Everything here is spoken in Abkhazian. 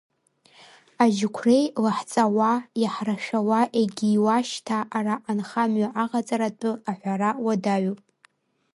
Аџьықәреи лаҳҵауа иаҳрашәауа егьиуа шьҭа ара анхамҩа аҟаҵара атәы аҳәара уадаҩуп.